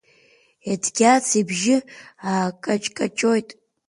Едгьац ибжьы аақачқачоит.